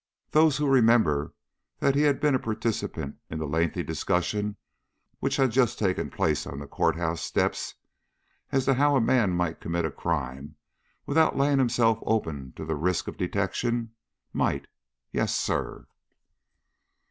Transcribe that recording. "Those who remember that he had been a participator in the lengthy discussion which had just taken place on the court house steps as to how a man might commit a crime without laying himself open to the risk of detection, might yes, sir."